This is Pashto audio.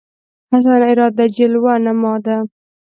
حسن اراده جلوه نما ده